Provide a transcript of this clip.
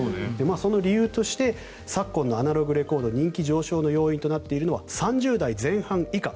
その理由として昨今のアナログレコード人気上昇の理由となっているのは３０代前半以下。